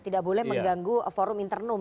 tidak boleh mengganggu forum internum